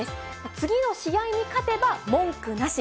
次の試合に勝てば、文句なし。